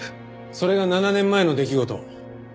それが７年前の出来事。